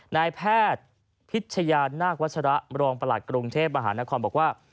นายแพทย์พิชยานาควัชระมรองประหลัดกรุงเทพมหานครบอกว่า